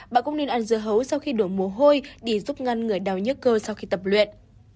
bạn cũng nên ăn dơ hấu sau khi đổ mồ hôi để giúp ngăn người đau nhớ cơ sau khi tập luyện